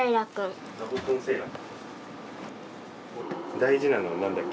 大事なのは何だっけ？